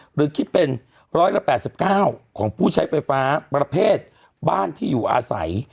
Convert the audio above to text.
หรือคิดเป็น๑๘๙ของผู้ใช้ไฟฟ้าประเภทบ้านที่อยู่อาศัย